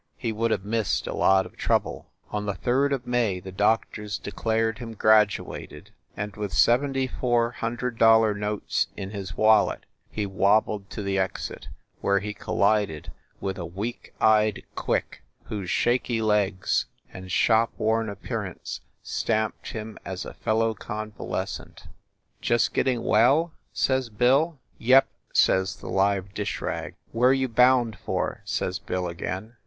He would have missed a lot of trouble. On the third of May the doctors declared him graduated, and with seventy four hundred dollar notes in his wallet he wobbled to the exit, where he collided with a weak eyed quik whose shaky legs and THE LIARS CLUB 71 shop worn appearance stamped him as a fellow con valescent. "Just getting well?" says Bill. "Yep," says the live dish rag. "Where you bound for ?" says Bill again.